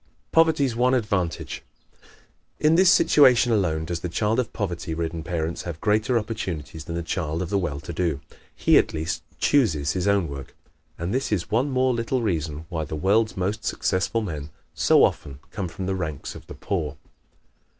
Poverty's One Advantage ¶ In this situation alone does the child of poverty ridden parents have greater opportunities than the child of the well to do. He at least chooses his own work, and this is one more little reason why the world's most successful men so often come from the ranks of the poor.